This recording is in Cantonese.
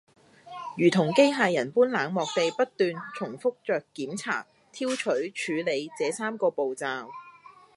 如同機械人般冷漠地不斷重覆著檢查、挑取、處理這三個步驟